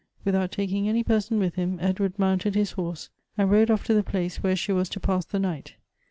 With out taking any person with him, Edward mounted his horse, and rode off to the place where she was to pass the night.